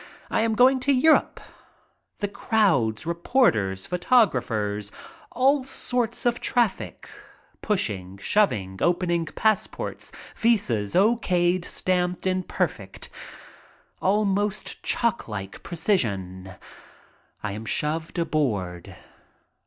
I am going to Europe. The crowds, reporters, photographers, all sorts of traffic, pushing, shoving, opening passports, vises O. K.'d, stamped, in perfect, almost clocklike precision, I am shoved aboard.